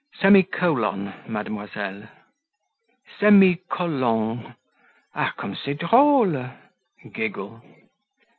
"Semi colon, mademoiselle." "Semi collong? Ah, comme c'est drole!"